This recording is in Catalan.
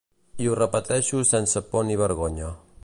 I ho repeteixo sense por ni vergonya.